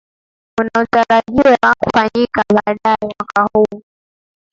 unaotarajiwa kufanyika baadaye mwaka huu